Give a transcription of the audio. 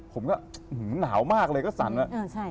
ผมก็หนาวมากเลยก็สั่นว่า